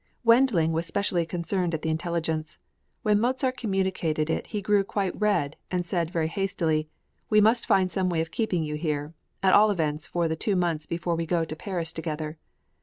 Wendling was specially concerned at the intelligence; when Mozart communicated it he grew "quite red," and said very hastily, "We must find some way of keeping you here, at all events for the two months before we go to Paris together."